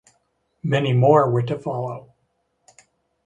Many more were to follow.